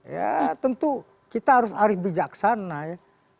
ya tentu kita harus arus bijaksana ya